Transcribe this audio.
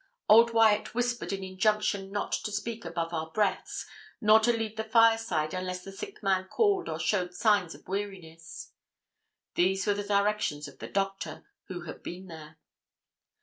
Old Wyat whispered an injunction not to speak above our breaths, nor to leave the fireside unless the sick man called or showed signs of weariness. These were the directions of the doctor, who had been there.